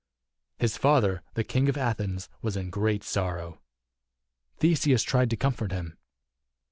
His father, the King of Athens, was in great sorrow. Theseus tried to comfort him.